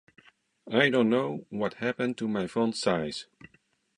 I don't know what happened to my font size.